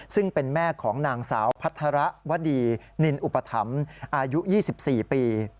ซึ่งเป็นแม่ของนางสาวพัฒระวดีนินอุปถัมภ์อายุ๒๔ปี